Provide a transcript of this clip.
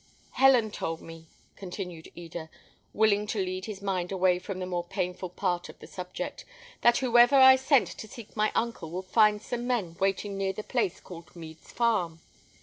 "Helen told me," continued Eda, willing to lead his mind away from the more painful part of the subject, "that whoever I sent to seek my uncle would find some men waiting near the place called Mead's farm.